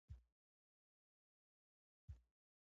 د ټوخي د زیاتوالي لپاره ډاکټر ته لاړ شئ